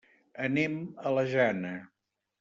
Anem a la Jana.